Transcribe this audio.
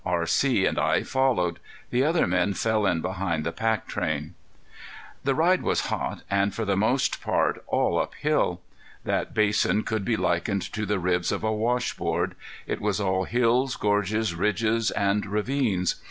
R.C. and I followed. The other men fell in behind the pack train. The ride was hot, and for the most part all up hill. That basin could be likened to the ribs of a washboard: it was all hills, gorges, ridges and ravines.